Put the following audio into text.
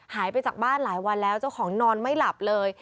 หายไปจากบ้านหลายวันแล้วเจ้าของนอนไม่หลับเลย